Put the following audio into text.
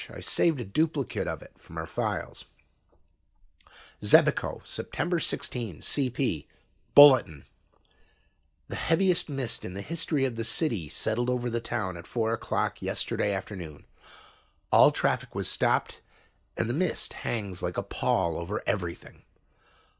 I saved a duplicate of it from our files: "Xebico, Sept 16 CP BULLETIN "The heaviest mist in the history of the city settled over the town at 4 o'clock yesterday afternoon. All traffic has stopped and the mist hangs like a pall over everything.